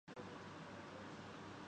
وہ بند ہو گئے۔